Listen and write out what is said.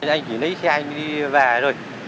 anh chỉ lấy xe anh đi về rồi